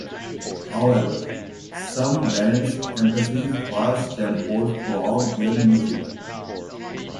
However, some bands emphasise fast tempos throughout their music.